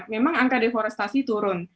memang angka deforestasi turun